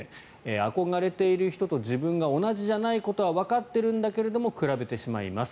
憧れている人と自分が同じじゃないことはわかっているんだけど比べてしまいます。